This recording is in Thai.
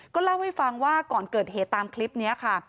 เล่าให้ฟังว่าก่อนเกิดเหตุตามคลิปนี้ค่ะ